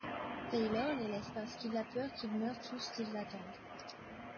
Taylor les laisse parce qu'il a peur qu'ils meurent tous s'ils attendent.